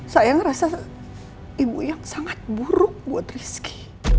saya ngerasa ibu yang sangat buruk buat rizky